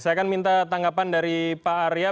saya akan minta tanggapan dari pak arya